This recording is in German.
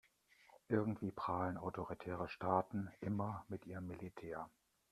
Irgendwie prahlen autoritäre Staaten immer mit ihrem Militär.